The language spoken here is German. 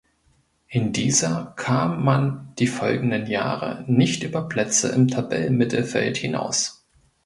In dieser kam man die folgenden Jahre nicht über Plätze im Tabellenmittelfeld hinaus.